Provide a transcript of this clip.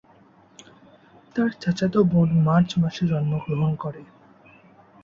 তার চাচাতো বোন মার্চ মাসে জন্মগ্রহণ করে।